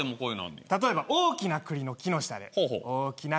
例えば大きな栗の木の下で。